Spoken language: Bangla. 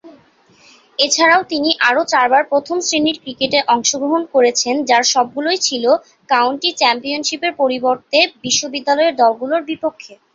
এছাড়াও, তিনি আরও চারবার প্রথম-শ্রেণীর ক্রিকেটে অংশগ্রহণ করেছেন যার সবগুলোই ছিল কাউন্টি চ্যাম্পিয়নশীপের পরিবর্তে বিশ্ববিদ্যালয়ের দলগুলো বিপক্ষে।